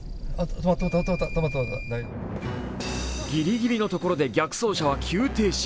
ギリギリのところで逆走車は急停止。